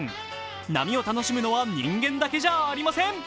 波を楽しむのは人間だけじゃありません。